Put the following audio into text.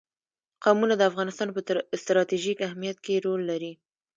قومونه د افغانستان په ستراتیژیک اهمیت کې رول لري.